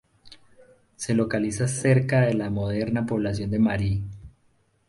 Se localiza cerca de la moderna población de Mari.